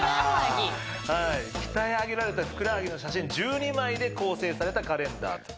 鍛え上げられたふくらはぎの写真１２枚で構成されたカレンダーと。